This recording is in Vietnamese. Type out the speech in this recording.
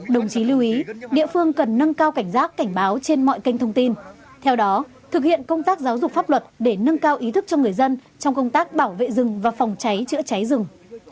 đồng chí lưu ý địa phương cần nâng cao cảnh giác cảnh báo trên mọi kênh thông tin theo đó thực hiện công tác giáo dục pháp luật để nâng cao ý thức cho người dân trong công tác bảo vệ rừng và phòng cháy chữa cháy rừng